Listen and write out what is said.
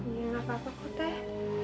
ya apa apa kok teh